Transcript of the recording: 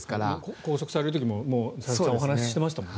拘束される時も佐々木さんお話してましたもんね。